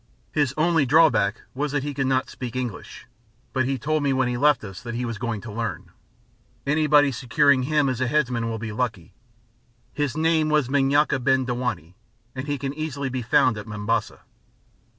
His only drawback was that he could not speak English, but he told me when he left us that he was going to learn. Anybody securing him as Headman will be lucky; his name is Munyaki bin Dewani, and he can easily be found at Mombasa.